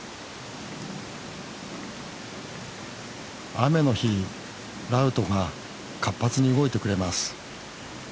雨の日ラウトが活発に動いてくれます。